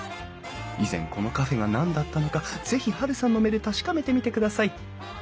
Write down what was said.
以前このカフェが何だったのかぜひハルさんの目で確かめてみてください。